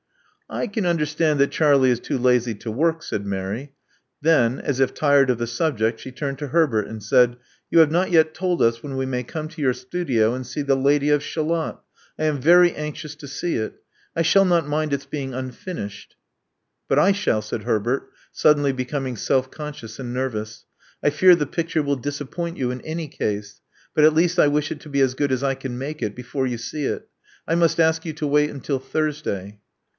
I can understand that Charlie is too lazy to work," said Mary. Then, as if tired of the subject, she turned to Herbert, and said, You have not yet told us when we may come to your studio and see The Lady of Shalott. I am very anxious to see it. I shall not mind its being unfinished. " "But I shall," said Herbert, suddenly becoming self conscious and nervous. I fear the picture will disappoint you in any case; but at least I wish it to be as good as I can make it, before you see it. I must ask you to wait until Thursday."